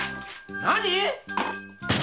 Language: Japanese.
何！？